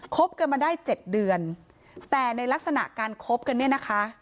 บกันมาได้เจ็ดเดือนแต่ในลักษณะการคบกันเนี่ยนะคะ